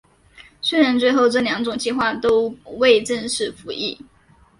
虽然最后这两种计划都未正式服役。